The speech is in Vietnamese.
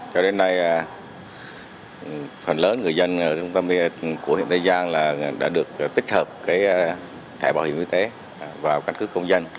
cho đến nay phần lớn người dân của huyện tây giang đã được tích hợp thẻ bảo hiểm y tế vào căn cứ công dân